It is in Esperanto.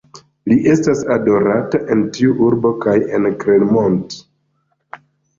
Li estas adorata en tiu urbo kaj en Clermont.